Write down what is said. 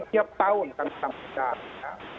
tiap tahun kan setahun